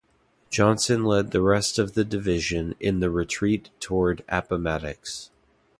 Johnson led the rest of the division in the retreat toward Appomattox.